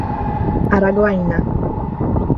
Araguaína